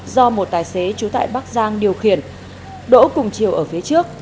do một tài xế trú tại bắc giang điều khiển đỗ cùng chiều ở phía trước